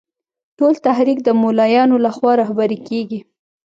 ټول تحریک د مولویانو له خوا رهبري کېږي.